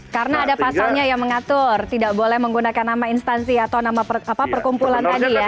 karena ada pasalnya yang mengatur tidak boleh menggunakan nama instansi atau nama perkumpulan tadi ya